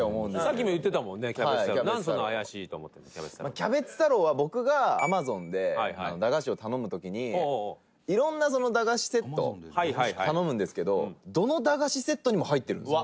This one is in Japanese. キャベツ太郎は僕が、Ａｍａｚｏｎで駄菓子を頼む時に色んな駄菓子セットを頼むんですけどどの駄菓子セットにも入ってるんですよ。